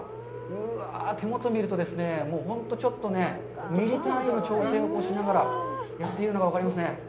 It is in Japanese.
うわあ、手元を見ると、本当、ちょっとね、ミリ単位の調整をしながらやっているのが分かりますね。